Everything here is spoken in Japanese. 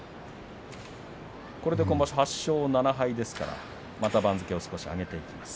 これで今場所、８勝７敗また番付を少し上げていきます。